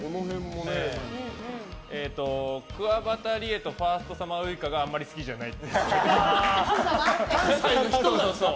くわばたりえとファーストサマーウイカがあんまり好きじゃない。